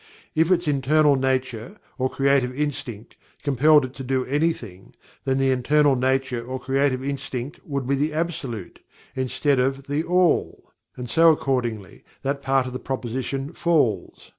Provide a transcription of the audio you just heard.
If its "internal nature," or "creative instinct," compelled it to do anything, then the "internal nature" or "creative instinct" would be the Absolute, instead of THE ALL, and so accordingly that part of the proposition falls.